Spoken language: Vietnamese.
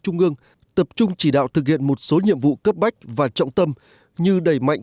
trung ương tập trung chỉ đạo thực hiện một số nhiệm vụ cấp bách và trọng tâm như đẩy mạnh